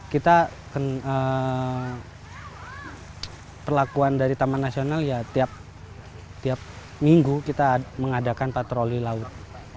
kita perlakuan dari taman nasional ya tiap minggu kita mengadakan patroli laut